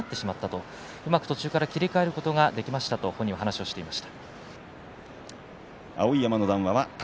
うまく途中から切り替えることができましたと本人話していました。